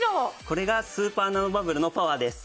これがスーパーナノバブルのパワーです。